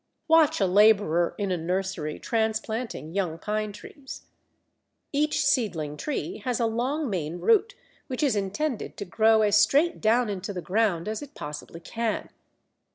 Watch a labourer in a nursery transplanting young pine trees; each seedling tree has a long main root which is intended to grow as straight down into the ground as it possibly can.